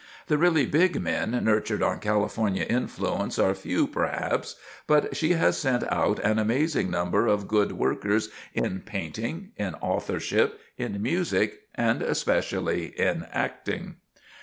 The really big men nurtured on California influence are few, perhaps; but she has sent out an amazing number of good workers in painting, in authorship, in music and especially in acting.